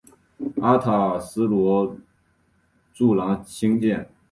阿塔罗斯柱廊兴建。